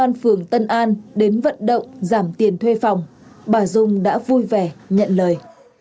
công an phường tân an đến vận động giảm tiền thuê phòng bà dung đã vui vẻ nhận lời